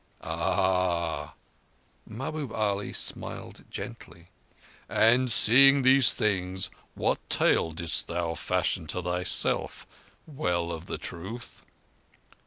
"Ha!" Mahbub Ali smiled gently. "And seeing these things, what tale didst thou fashion to thyself, Well of the Truth?"